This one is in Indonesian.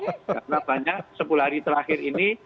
karena banyak sepuluh hari terakhir ini